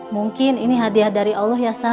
mungkin ini hadiah dari allah ya sah